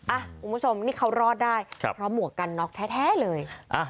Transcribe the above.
คุณผู้ชมนี่เขารอดได้เพราะหมวกกันน็อกแท้เลย